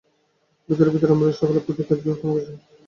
ভিতরে ভিতরে আমাদের সকলেরই প্রতিজ্ঞার জোর কমে গেছে।